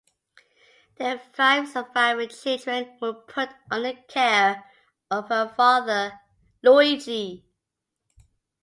Their five surviving children were put under the care of her father Luigi.